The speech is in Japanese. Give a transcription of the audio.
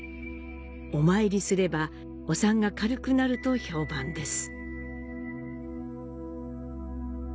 お参りすればお産が軽くなると評判です。